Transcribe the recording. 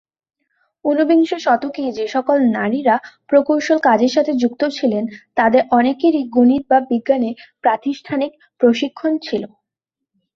উনবিংশ শতকে, যে সকল নারীরা প্রকৌশল কাজের সাথে যুক্ত ছিলেন তাদের অনেকেরই গণিত বা বিজ্ঞানের প্রাতিষ্ঠানিক প্রশিক্ষণ ছিল।